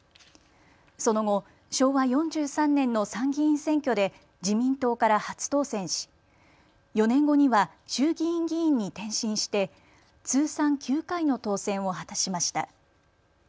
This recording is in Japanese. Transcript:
その後、昭和４３年の参議院選挙で自民党から初当選し４年後には衆議院議員に転身して通算９回の当選を果たしました。